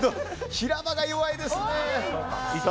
平場が弱いですね。